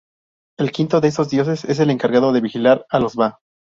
El quinto de estos dioses es el encargado de vigilar a los va.